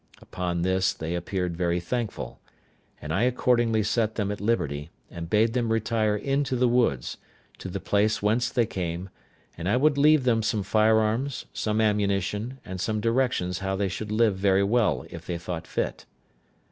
Upon this they appeared very thankful, and I accordingly set them at liberty, and bade them retire into the woods, to the place whence they came, and I would leave them some firearms, some ammunition, and some directions how they should live very well if they thought fit.